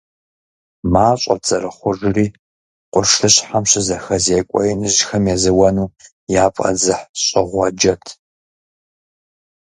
МащӀэт зэрыхъужри, къуршыщхьэм щызэхэзекӀуэ иныжьхэм езэуэну яфӀэдзыхьщӀыгъуэджэт.